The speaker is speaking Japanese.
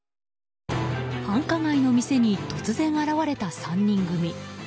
繁華街の店に突然、現れた３人組。